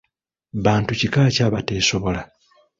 Bantu kika ki abateesobola?